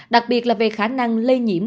đặc biệt là về khả năng lây nhiễm